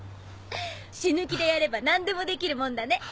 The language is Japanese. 死ぬ気でやれば何でもできるもんだね。